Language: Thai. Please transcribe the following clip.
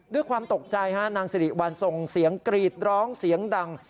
ด้วยความตกใจฮะนางสิริวัลส่งเสียงกรีดร้องเสียงดัง